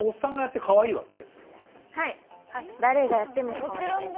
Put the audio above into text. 誰がやってもかわいいです。